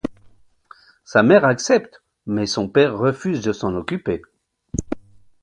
Sa mère accepte, mais son père refuse de s'en occuper.